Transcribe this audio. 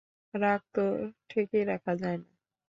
রাগ তো ঠেকিয়ে রাখা যায় না।